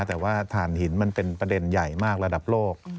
แต่ว่าฐานหินมันเป็นประเด็นใหญ่มากระดับโลก